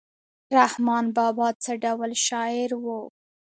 رحمان بابا څه ډول شاعر و؟